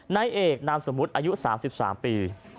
นายเอกนามสมมุติอายุ๓๓ปี